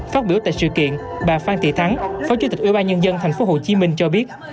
phát biểu tại sự kiện bà phan thị thắng phó chủ tịch ủy ban nhân dân thành phố hồ chí minh cho biết